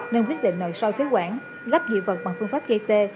nên quyết định nở xoay phía quảng gấp dị vật bằng phương pháp gây tê